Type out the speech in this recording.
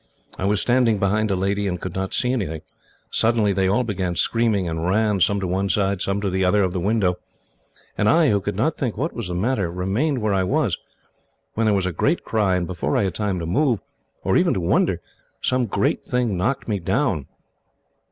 I was standing behind a lady, and could not see anything. Suddenly they all began screaming, and ran, some to one side, some to the other, of the window; and I, who could not think what was the matter, remained where I was, when there was a great cry, and before I had time to move, or even to wonder, some great thing knocked me down.